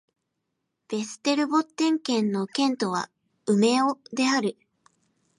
ヴェステルボッテン県の県都はウメオである